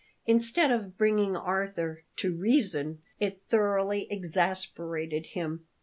Instead of bringing Arthur "to reason," it thoroughly exasperated him.